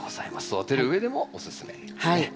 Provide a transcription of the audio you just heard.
育てるうえでもおすすめですね。